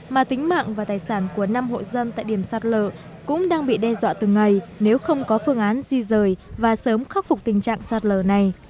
mà tính mạng và tài sản của năm hộ dân tại điểm sạt lở cũng đang bị đe dọa từng ngày nếu không có phương án di rời và sớm khắc phục tình trạng sạt lở này